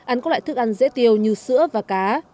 ăn các loại thức ăn dễ tiêu như sữa và cá